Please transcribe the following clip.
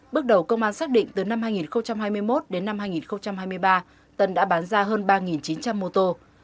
bước đầu công an xác định từ năm hai nghìn hai mươi một đến năm hai nghìn hai mươi ba tân đã bán ra hơn ba chín trăm linh mô tô